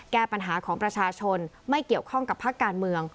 แก้ปัญหาของประชาชนไม่เกี่ยวข้องกับภาคการเมือง